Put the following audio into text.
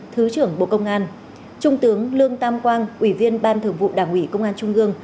thứ trưởng bộ công an trung tướng lương tam quang ủy viên ban thường vụ đảng ủy công an trung ương